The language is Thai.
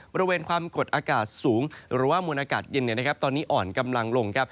บริเวณความกดอากาศสูงหรือว่ามวลอากาศเย็นตอนนี้อ่อนกำลังลงครับ